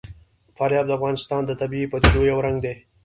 فاریاب د افغانستان د طبیعي پدیدو یو رنګ دی.